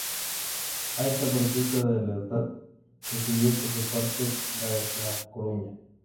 A esta protesta de lealtad le siguió, por su parte, la de La Coruña.